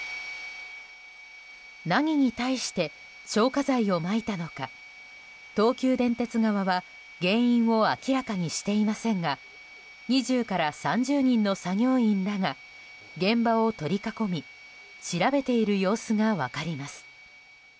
何に対して消火剤をまいたのか東急電鉄側は原因を明らかにしていませんが２０から３０人の作業員らが現場を取り囲み調べている様子が分かります。